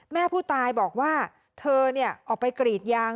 แม่ผู้ตายบอกว่าเธอออกไปกรีดยาง